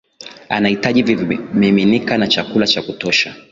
anahitaji vimiminika na chakula cha kutosha